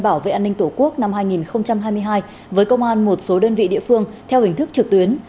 bảo vệ an ninh tổ quốc năm hai nghìn hai mươi hai với công an một số đơn vị địa phương theo hình thức trực tuyến